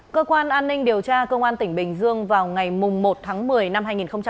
cơ quan an ninh điều tra công an tỉnh bình dương vào ngày một tháng một mươi năm hai nghìn hai mươi ba